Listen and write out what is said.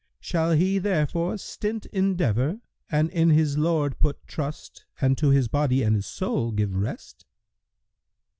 Shall he therefore stint endeavour and in his Lord put trust and to his body and his soul give rest?"